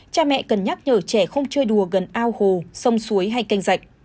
cha mẹ cần nhắc nhở trẻ không chơi đùa gần ao hồ sông suối hay kênh dạch